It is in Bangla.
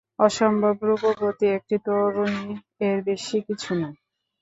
অসম্ভব রূপবর্তী একটি তরুণী-এর বেশি কিছু না।